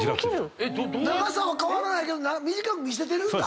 長さは変わらないけど短く見せてるんだ。